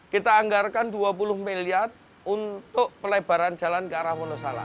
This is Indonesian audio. kita anggarkan dua puluh miliar untuk pelebaran jalan ke arah wonosalam